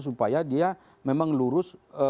supaya dia memang lurus